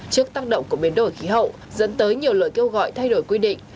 trước tác động của biến đổi khí hậu dẫn tới nhiều lời kêu gọi thay đổi quy định